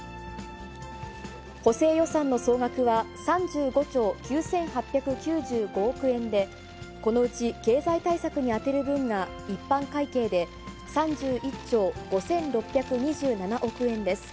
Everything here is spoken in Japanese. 補正予算の総額は、３５兆９８９５億円で、このうち経済対策に充てる分が、一般会計で３１兆５６２７億円です。